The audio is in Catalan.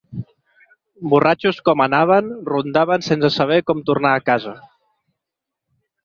Borratxos com anaven, rondaven sense saber com tornar a casa.